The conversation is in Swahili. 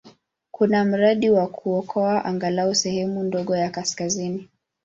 Kuna mradi wa kuokoa angalau sehemu ndogo ya kaskazini.